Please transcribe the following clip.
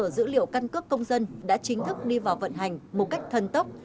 dữ liệu căn cước công dân đã chính thức đi vào vận hành một cách thân tốc